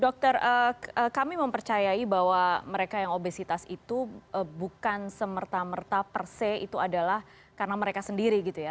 dokter kami mempercayai bahwa mereka yang obesitas itu bukan semerta merta perse itu adalah karena mereka sendiri gitu ya